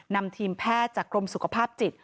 นำทีมแพทย์จากกรมสุขภาพจิต